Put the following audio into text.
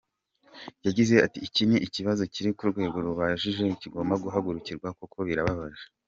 Yagize ati “Iki ni ikibazo kiri ku rwego rukabije kigomba guhagurukirwa kuko birababaje.